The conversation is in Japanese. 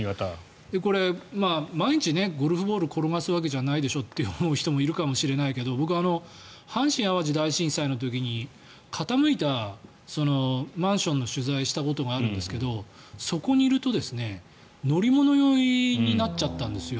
これ、毎日ゴルフボール転がすわけじゃないでしょと思う人もいるかもしれないけど僕は阪神・淡路大震災の時に傾いたマンションの取材をしたことがあるんですけどそこにいると乗り物酔いになっちゃったんですよ。